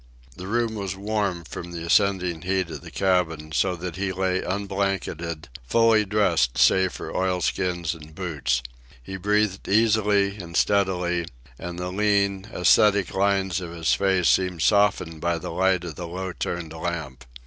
The room was warm from the ascending heat of the cabin, so that he lay unblanketed, fully dressed save for oilskins and boots. He breathed easily and steadily, and the lean, ascetic lines of his face seemed softened by the light of the low turned lamp.